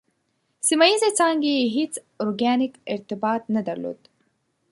سیمه ییزې څانګې یې هېڅ ارګانیک ارتباط نه درلود.